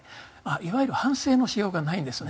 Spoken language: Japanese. いわゆる反省のしようがないんですね。